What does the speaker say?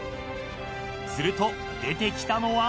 ［すると出てきたのは？］